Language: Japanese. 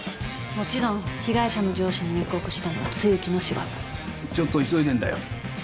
もちろん被害者の上司に密告したのは露木の仕業ちょっと急いでんだよ